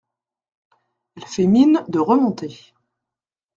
Elle fait mine de remonter.